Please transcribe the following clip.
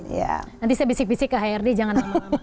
iya nanti saya bisik bisik ke hrd jangan